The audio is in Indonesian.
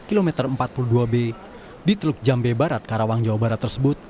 kilometer empat puluh dua b di teluk jambe barat karawang jawa barat tersebut